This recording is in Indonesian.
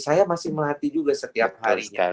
saya masih melatih juga setiap harinya